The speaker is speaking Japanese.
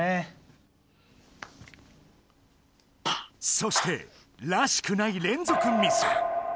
そしてらしくない連続ミス。